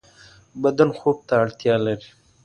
بدن خوب ته اړتیا لری